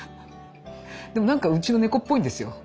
でもなんかうちの猫っぽいんですよ